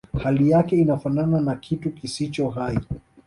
hali yake inafanana na kitu kisicho hai